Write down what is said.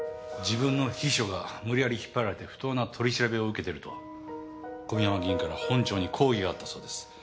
自分の秘書が無理やり引っ張られて不当な取り調べを受けてると小宮山議員から本庁に抗議があったそうです。